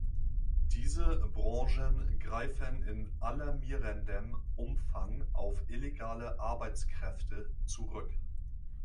Diese Branchen greifen in alarmierendem Umfang auf illegale Arbeitskräfte zurück.